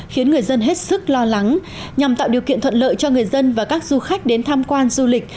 khiến người dân hết sức lo lắng nhằm tạo điều kiện thuận lợi cho người dân và các du khách đến tham quan du lịch